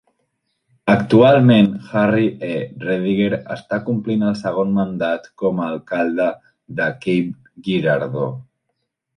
Actualment, Harry E. Rediger està complint el segon mandat com a alcalde de Cape Girardeau.